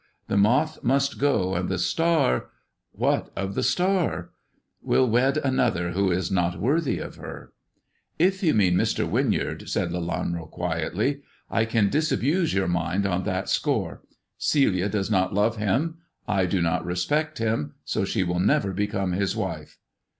The moth must go, and the star "" What of the star 1 "" Will wed another who is not worthy of her." " If you mean Mr. Winyard," said Lelanro quietly, " I can disabuse your mind on that score. Celia does not love him, I do not respect him, so she will never become his wife."